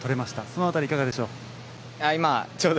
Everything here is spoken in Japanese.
その辺りはいかがでしょう。